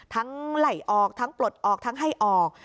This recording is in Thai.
ไหลออกทั้งปลดออกทั้งให้ออก